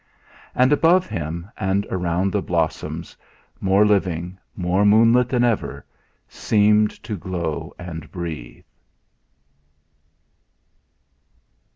And above him, and around, the blossoms, more living, more moonlit than ever, seemed to glow and breathe.